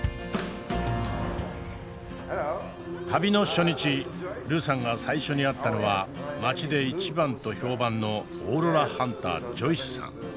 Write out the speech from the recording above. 旅の初日ルーさんが最初に会ったのは街で一番と評判のオーロラハンタージョイスさん。